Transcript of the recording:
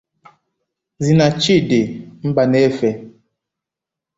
Zinachidi Mbanefo